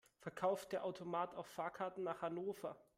Verkauft der Automat auch Fahrkarten nach Hannover?